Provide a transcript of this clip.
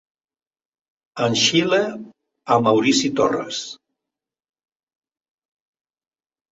En Xile a Maurici Torres.